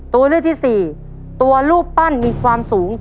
ตัวเลือกที่๔ตัวรูปปั้นมีความสูง